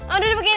aduh udah begini